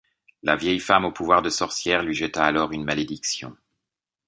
La vieille femme aux pouvoirs de sorcières lui jeta alors une malédiction.